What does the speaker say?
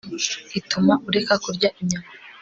ituma ureka kurya inyama